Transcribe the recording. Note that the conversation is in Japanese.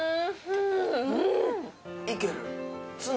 いける？